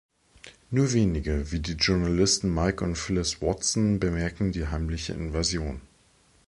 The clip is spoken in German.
Nur wenige, wie die Journalisten Mike und Phyllis Watson, bemerken die heimliche Invasion.